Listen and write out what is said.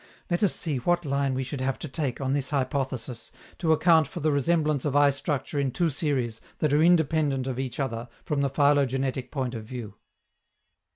Let us see what line we should have to take, on this hypothesis, to account for the resemblance of eye structure in two series that are independent of each other from the phylogenetic point of view.